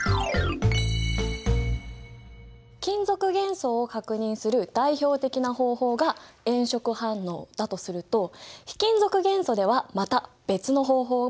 金属元素を確認する代表的な方法が炎色反応だとすると非金属元素ではまた別の方法もあるんだ。